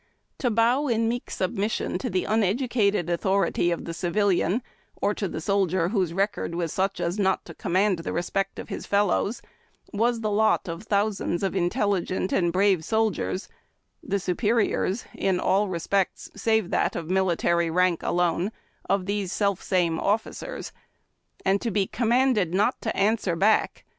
To bow in meek submission to the uneducated authority of the civilian, or to the soldier whose record was such as not to command the respect of his fellows, was the lot of thousands of intelligent and brave soldiers, the superiors in all respects, save that of military rank alone, of these self same officers ; and to be connnanded not to answer back. IN THE SWEAT BOX. 152 HABB TACK AND COFFEE.